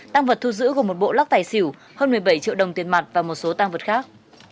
tăng vật thu giữ gồm một bộ lắc tài xỉu hơn một mươi bảy triệu đồng tiền mặt và một số tăng vật khác